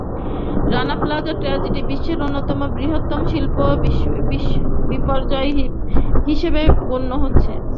Rana Plaza tragedy বিশ্বের অন্যতম বৃহত্তম শিল্প বিপর্যয় হিসেবে গণ্য হচ্ছে।